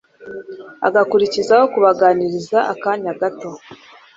agakurikizaho kubaganiriza akanya gato